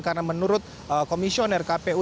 karena menurut komisioner kpu